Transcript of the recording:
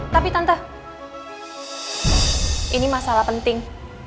tapi tante ini masalah penting